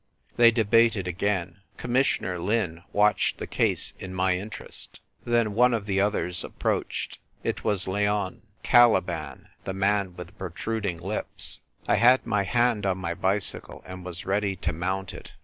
They debated again. Commissioner Lin watched the case in my interest. Then one of the others approached. It was Leon — Caliban — the man with the protruding lips. I had my hand on my bicycle, and was ready to mount it.